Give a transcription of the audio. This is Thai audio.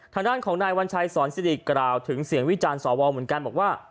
ทางด้านของนายวัญชัยสอนสิริกล่าวถึงเสียงวิจารณ์สวเหมือนกันบอกว่า